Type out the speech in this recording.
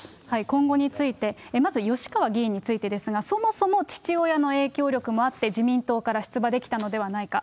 今後について、まず吉川議員についてですが、そもそも父親の影響力もあって、自民党から出馬できたのではないか。